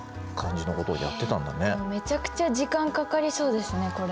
めちゃくちゃ時間かかりそうですねこれ。